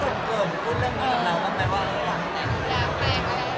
มันเป็นเรื่องน่ารักที่เวลาเจอกันเราต้องแซวอะไรอย่างเงี้ย